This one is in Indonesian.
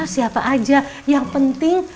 siapa aja yang penting